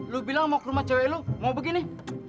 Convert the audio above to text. lo bilang mau ke rumah cewek lo mau begini